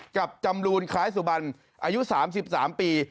จำรูนคล้ายสุบันอายุ๓๓ปี